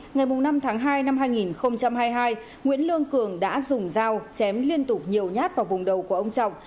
ngày năm tháng hai năm hai nghìn hai mươi hai nguyễn lương cường đã dùng dao chém liên tục nhiều nhát vào vùng đầu của ông trọng